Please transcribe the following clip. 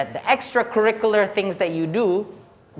hal hal ekstra kurikuler yang anda lakukan